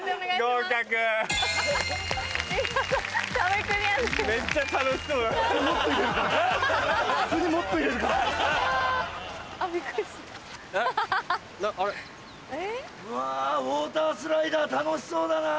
うわウオータースライダー楽しそうだな。